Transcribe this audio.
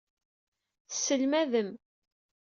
Tesselmadem.